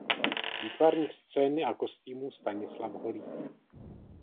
Výtvarník scény a kostýmů Stanislav Holý.